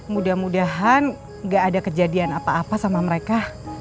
mudah mudahan gak ada kejadian apa apa sama mereka